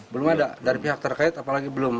belum ada dari pihak terkait apalagi belum